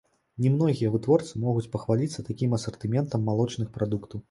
Не многія вытворцы могуць пахваліцца такім асартыментам малочных прадуктаў.